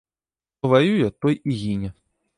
Хто ваюе, той і гіне!